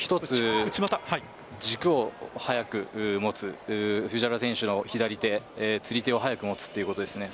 軸を早く持つ藤原選手の左手釣り手を早く持つということですね。